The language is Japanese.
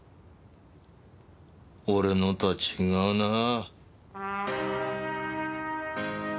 俺のとは違うなぁ。